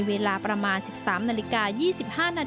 การเดินทางไปรับน้องมินครั้งนี้ทางโรงพยาบาลเวทธานีไม่มีการคิดค่าใช้จ่ายใด